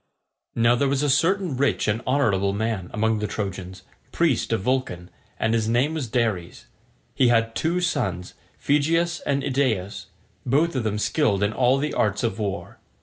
Now there was a certain rich and honourable man among the Trojans, priest of Vulcan, and his name was Dares. He had two sons, Phegeus and Idaeus, both of them skilled in all the arts of war.